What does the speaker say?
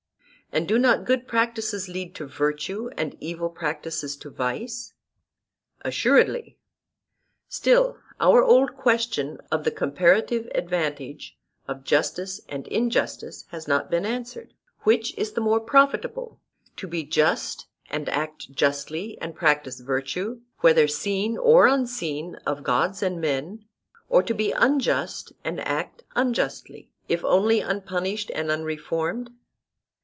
And do not good practices lead to virtue, and evil practices to vice? Assuredly. Still our old question of the comparative advantage of justice and injustice has not been answered: Which is the more profitable, to be just and act justly and practise virtue, whether seen or unseen of gods and men, or to be unjust and act unjustly, if only unpunished and unreformed?